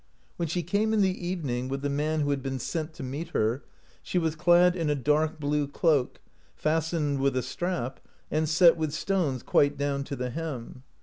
When she came in the evening, with the man who had been sent to meet her, she was clad in a dark blue cloak, fastened with a strap, and set with stones quite down to the hem.